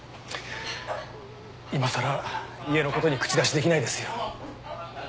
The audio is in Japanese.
今さら家のことに口出しできないですよ。